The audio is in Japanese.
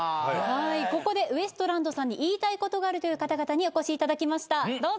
ここでウエストランドさんに言いたいことがあるという方々にお越しいただきましたどうぞ。